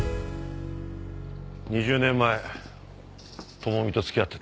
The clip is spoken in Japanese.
２０年前智美と付き合ってた。